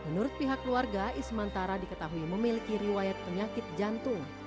menurut pihak keluarga ismantara diketahui memiliki riwayat penyakit jantung